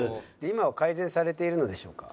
「今は改善されているのでしょうか？」。